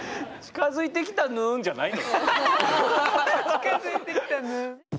「近づいてきたぬん」。